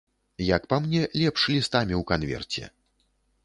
Як па мне, лепш лістамі ў канверце.